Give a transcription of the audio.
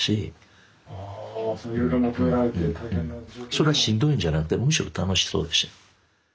それはしんどいんじゃなくてむしろ楽しそうでしたよ。